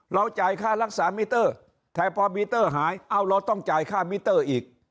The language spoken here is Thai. จ่ายค่ารักษามิเตอร์แต่พอมิเตอร์หายเอ้าเราต้องจ่ายค่ามิเตอร์อีก